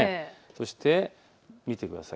そして見てください。